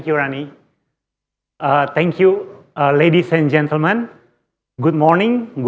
selamat pagi selamat pulang